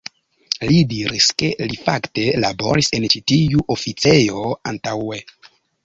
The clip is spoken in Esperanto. Li diris, ke li fakte laboris en ĉi tiu oficejo antaŭe.